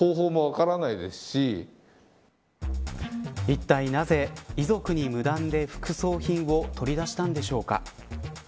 いったい、なぜ遺族に無断で副葬品を取り出したのでしょうか。